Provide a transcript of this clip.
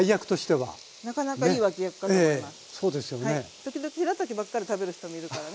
時々しらたきばっかり食べる人もいるからね。